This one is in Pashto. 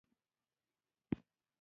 🍏 مڼه